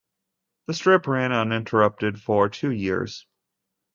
The strip ran uninterrupted for two years.